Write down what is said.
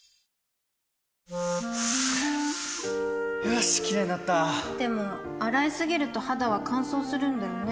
よしキレイになったでも、洗いすぎると肌は乾燥するんだよね